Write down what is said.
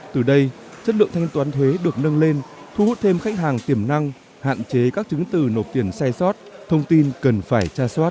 từ đây chất lượng thanh toán thuế được nâng lên thu hút thêm khách hàng tiềm năng hạn chế các chứng từ nộp tiền sai sót thông tin cần phải tra soát